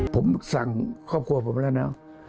ผมสั่งครอบครัวผมไปแล้วนะ